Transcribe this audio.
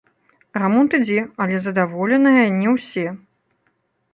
Рамонт ідзе, але задаволеныя не ўсе.